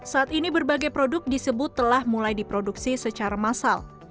saat ini berbagai produk disebut telah mulai diproduksi secara massal